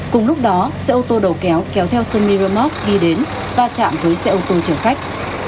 cùng lúc đó xe ô tô đầu kéo kéo theo sơ miramoc đi đến va chạm với xe ô tô chở khách